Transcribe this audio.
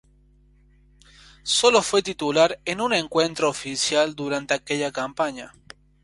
Solo fue titular en un encuentro oficial durante aquella campaña.